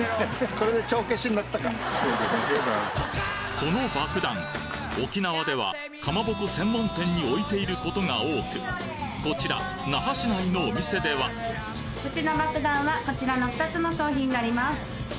このばくだん沖縄ではかまぼこ専門店に置いていることが多くこちら那覇市内のお店ではうちのばくだんはこちらの２つの商品になります。